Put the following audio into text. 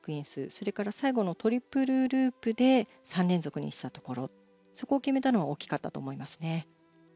それから最後のトリプルループで３連続にしたところを決めたのは大きかったと思います。